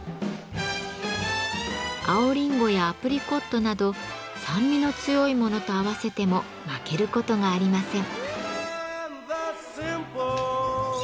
青りんごやアプリコットなど酸味の強いものと合わせても負けることがありません。